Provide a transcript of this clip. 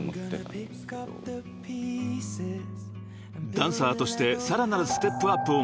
［ダンサーとしてさらなるステップアップを求め